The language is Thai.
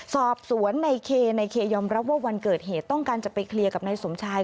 สอบสวนในเคในเคยอมรับว่าวันเกิดเหตุต้องการจะไปเคลียร์กับนายสมชาย